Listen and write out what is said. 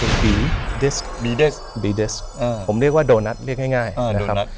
อะไรนะบีดิสก์ผมเรียกว่าโดนัทเรียกง่ายนะครับ